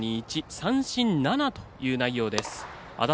三振７という内容です。